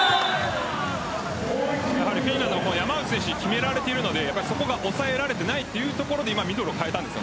フィンランドも山内選手に決められているのでそこが抑えられていないというところでミドルを代えたんです。